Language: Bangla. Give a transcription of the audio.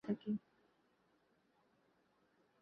দেশ কাল ও নিমিত্তকেই আমরা মায়া বলিয়া থাকি।